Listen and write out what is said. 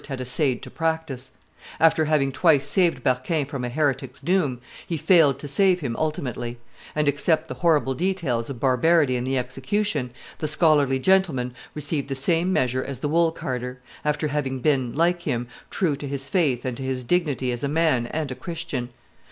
had essayed to practise; after having twice saved Berquin from a heretic's doom, he failed to save him ultimately; and, except the horrible details of barbarity in the execution, the scholarly gentleman received the same measure as the wool carder, after having been, like him, true to his faith and to his dignity as a man and a Christian.